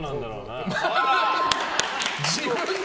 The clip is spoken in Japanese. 自分で。